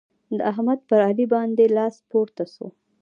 د احمد پر علي باندې لاس پورته شو.